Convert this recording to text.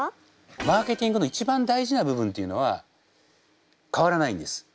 マーケティングの一番大事な部分っていうのは変わらないんです。